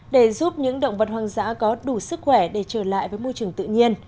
để giúp những động vật hoang dã có đủ sức khỏe để trở lại với môi trường tự nhiên